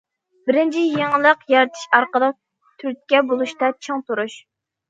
بىرىنچى، يېڭىلىق يارىتىش ئارقىلىق تۈرتكە بولۇشتا چىڭ تۇرۇش.